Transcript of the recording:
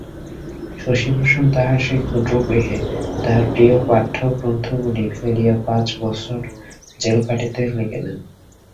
শশিভূষণ তাঁহার সেই ক্ষুদ্র গৃহে তাঁহার প্রিয় পাঠ্যগ্রন্থগুলি ফেলিয়া পাঁচ বৎসর জেল খাটিতে গেলেন।